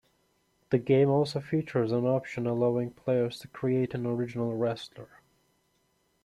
The game also features an option allowing players to create an original wrestler.